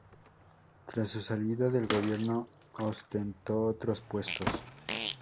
Tras su salida del gobierno ostentó otros puestos.